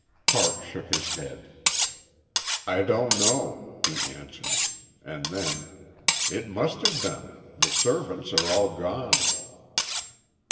Parks shook his head. "I don't know," he answered.... And then: "It must have been. The servants are all gone."